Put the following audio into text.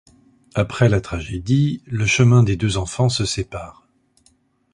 Après la tragédie, le chemin des deux enfants se sépare.